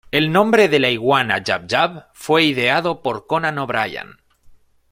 El nombre de la iguana Jub-Jub fue ideado por Conan O'Brien.